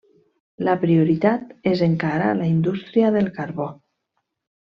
La prioritat és encara la indústria del carbó.